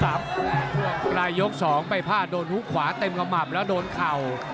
ใกล้ยก๒ไปพลาดโดนหูขวาเต็มกระหม่ำแล้วโดนเข่า